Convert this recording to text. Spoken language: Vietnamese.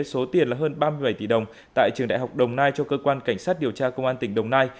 số tiền là hơn ba mươi bảy tỷ đồng tại trường đại học đồng nai cho cơ quan cảnh sát điều tra công an tỉnh đồng nai